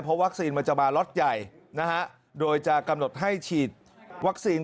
เพราะวัคซีนมันจะมาล็อตใหญ่นะฮะโดยจะกำหนดให้ฉีดวัคซีน